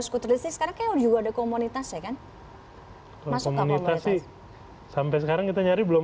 skuteris sekarang juga ada komunitas ya kan hai langsung mengisi sampai sekarang kita nyari belum